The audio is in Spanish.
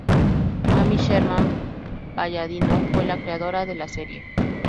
Amy Sherman-Palladino fue la creadora de la serie.